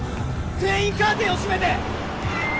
全員カーテンを閉めて！